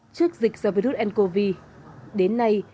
trước dịch do virus ncov đến nay